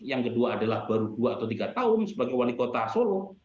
yang kedua adalah baru dua atau tiga tahun sebagai wali kota solo